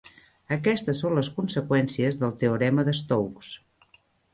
Aquestes són les conseqüències del teorema de Stokes.